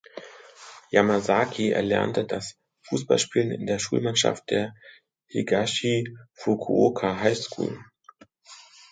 Yamasaki erlernte das Fußballspielen in der Schulmannschaft der "Higashi Fukuoka High School".